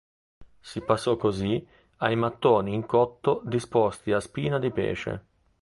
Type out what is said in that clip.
Si passò così ai mattoni in cotto disposti a spina di pesce.